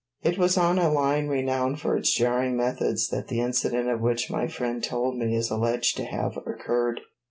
It was on a line renowned for its jarring methods that the incident of which my friend told me is alleged to have occurred.